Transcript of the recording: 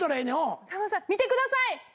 さんまさん見てください。